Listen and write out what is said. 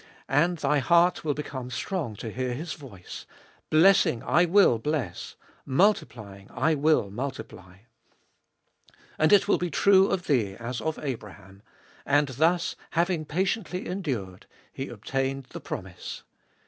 And thy heart will become strong to hear His voice, " Blessing / will bless, multiplying / will multiply." And it will be true of thee as of Abraham : And thus, having patiently endured, he obtained the promise.